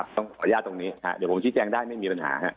ขออนุญาตตรงนี้เดี๋ยวผมชี้แจงได้ไม่มีปัญหา